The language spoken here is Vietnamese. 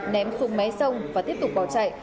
ném xuống mé sông và tiếp tục bỏ chạy